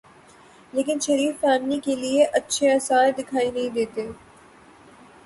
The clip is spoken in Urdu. لیکن شریف فیملی کے لیے اچھے آثار دکھائی نہیں دیتے۔